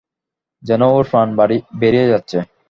যেন ওর প্রাণ বেরিয়ে যাচ্ছে।